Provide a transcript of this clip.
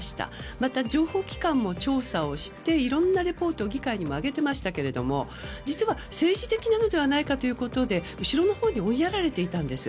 また、情報機関も調査をしていろんなリポートを議会に挙げていましたが実は、政治的なのではないかということで後ろのほうに追いやられていたんです。